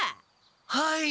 はい！